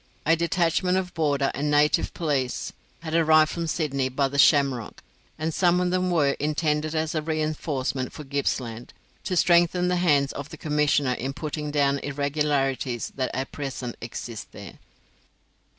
A detachment of border and native police had arrived from Sydney by the 'Shamrock', and some of them were intended as a reinforcement for Gippsland, "to strengthen the hands of the commissioner in putting down irregularities that at present exist there."